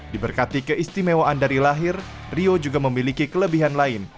diberkati keistimewaan dari lahir rio juga memiliki kelebihan lain